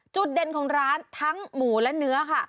จุดเด่นของร้านทั้งหมูและเนื้อค่ะ